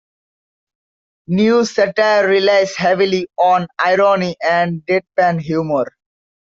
News satire relies heavily on irony and deadpan humor.